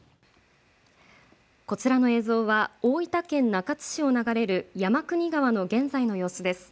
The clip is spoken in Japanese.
こちらの映像は大分県中津市を流れる山国川の現在の様子です。